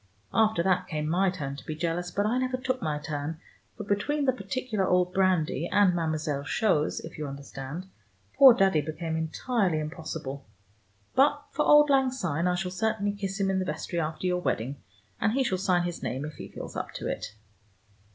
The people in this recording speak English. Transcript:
After that came my turn to be jealous, but I never took my turn, for between the particular old brandy and Mademoiselle Chose, if you understand, poor Daddy became entirely impossible. But for auld lang syne I shall certainly kiss him in the vestry after your wedding, and he shall sign his name if he feels up to it."